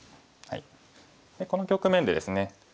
この局面でですね